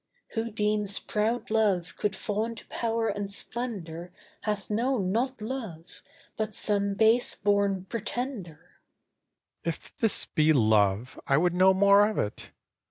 Who deems proud love could fawn to power and splendour Hath known not love, but some base born pretender. AHASUERAS If this be love, I would know more of it.